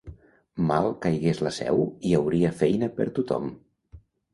Mal caigués la Seu i hi hauria feina per tothom!